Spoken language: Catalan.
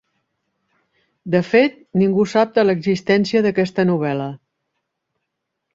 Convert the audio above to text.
De fet, ningú sap de l'existència d'aquesta novel·la.